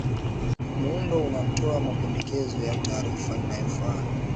muundo unatoa mapendekezo ya tarifa inayofaa